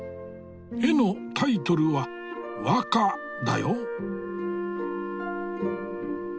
絵のタイトルは和歌だよ。